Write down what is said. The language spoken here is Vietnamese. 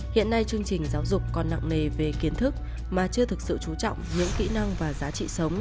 hiện nay chương trình giáo dục còn nặng nề về kiến thức mà chưa thực sự trú trọng những kỹ năng và giá trị sống